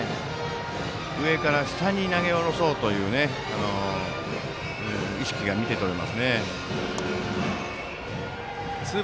上から下に投げ下ろそうという意識が見て取れますね。